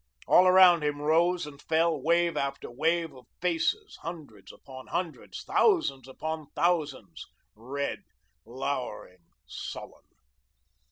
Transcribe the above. All around him rose and fell wave after wave of faces, hundreds upon hundreds, thousands upon thousands, red, lowering, sullen.